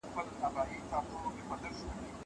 زه به سبا ليکنې کوم.